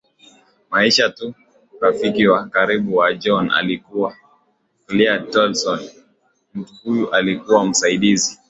maisha tu rafiki wa karibu wa John alikuwa Klayd TolsonMtu huyu alikuwa msaidizi